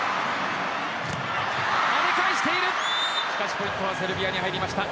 ポイントはセルビアに入りました。